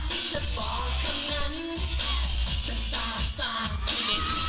ที่เคยเคยอย่างนั้นจะเป็นไร